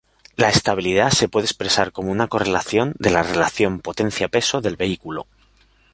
La estabilidad se puede expresar como una correlación de la relación potencia-peso del vehículo.